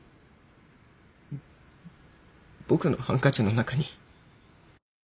僕のハンカチの中に。